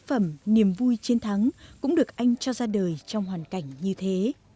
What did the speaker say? phẩm niềm vui chiến thắng cũng được anh cho ra đời trong hoàn cảnh như thế